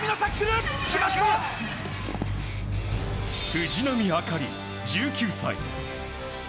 藤波朱理、１９歳。